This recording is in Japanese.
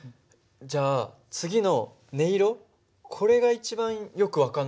じゃあ次の音色これが一番よく分かんないよね。